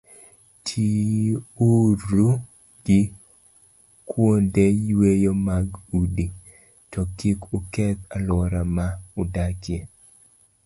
Tiuru gi kuonde yweyo mag udi, to kik uketh alwora ma udakie.